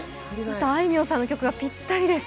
あいみょんさんの曲がぴったりです。